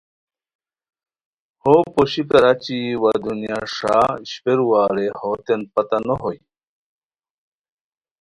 ہو پوشیکار اچی وا دنیا ݰا اشپیروا رے ہوتین پتہ نوہوئے